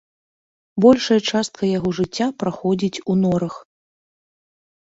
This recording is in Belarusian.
Большая частка яго жыцця праходзіць у норах.